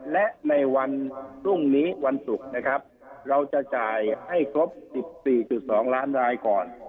และในวันพรุ่งนี้วันศุกร์นะครับเราจะจ่ายให้ครบ๑๔๒ล้านรายก่อน